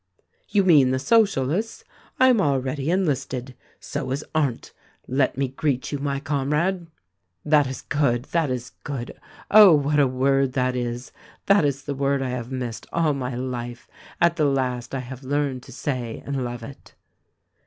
"You mean the Socialists? I am already enlisted. So is Arndt; let me greet you, my Comrade." "That is good ! That is good ! Oh, what a word that is ! That is the word I have missed — all my life. At the last I have learned to say and love it."